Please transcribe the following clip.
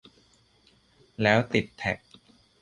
แล้วติดแท็ก